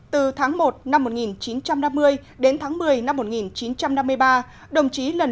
từ tháng một năm một nghìn chín trăm năm mươi đến tháng một mươi năm một nghìn chín trăm năm mươi ba đồng chí làm bí thư văn phòng huyện ủy hà tĩnh